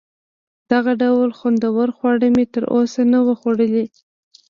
دغه ډول خوندور خواړه مې تر اوسه نه وه خوړلي.